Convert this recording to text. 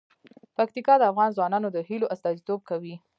پکتیکا د افغان ځوانانو د هیلو استازیتوب کوي.